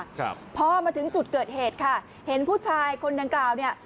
ครับพอมาถึงจุดเกิดเหตุค่ะเห็นผู้ชายคนดังกล่าวเนี่ย